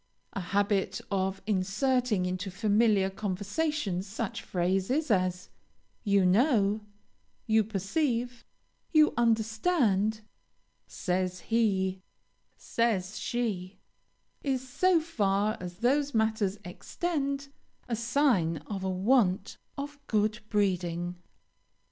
A habit of inserting into familiar conversation such phrases as "You know," "You perceive," "You understand," "Says he," "Says she," is, so far as those matters extend, a sign of a want of good breeding.